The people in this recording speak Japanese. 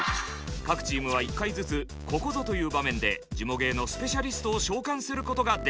各チームは１回ずつここぞという場面でジモ芸のスペシャリストを召喚することができます。